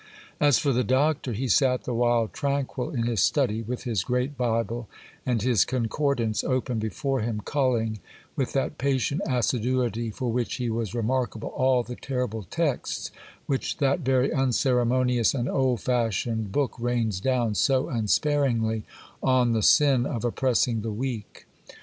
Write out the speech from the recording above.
As for the Doctor, he sat the while tranquil in his study, with his great Bible and his Concordance open before him, culling, with that patient assiduity for which he was remarkable, all the terrible texts which that very unceremonious and old fashioned book rains down so unsparingly on the sin of oppressing the weak.